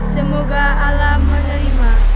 semoga alam menerima